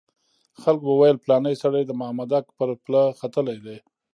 خلکو به ویل پلانی سړی د مامدک پر پله ختلی دی.